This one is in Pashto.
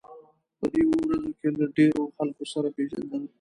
په دې اوو ورځو کې له ډېرو خلکو سره پېژندل.